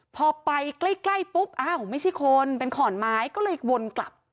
พอไปใกล้ปุ๊บอ้าวไม่ใช่คนเป็นขอนไม้ก็เลยวนกลับ